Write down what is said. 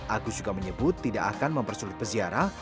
agus juga menyebut tidak akan mempersulit peziarah